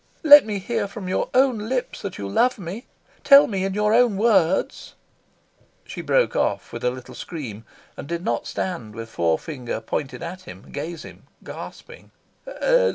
Let me hear from your own lips that you love me. Tell me in your own words " She broke off with a little scream, and did not stand with forefinger pointed at him, gazing, gasping.